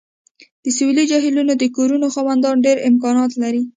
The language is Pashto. د سویلي جهیلونو د کورونو خاوندان ډیر امکانات لري